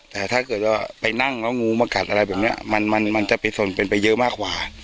แต่ถ้าเกิดว่าไปนั่งแล้วงูมากัดอะไรแบบนี้มันจะเป็นส่วนเป็นไปเยอะมากกว่า